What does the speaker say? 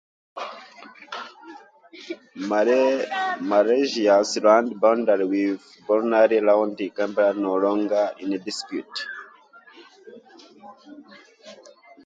Malaysia's land boundary with Brunei around Limbang is no longer in dispute.